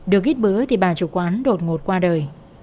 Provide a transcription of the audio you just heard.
được ít bữa thì bà chủ quán đột ngột qua đời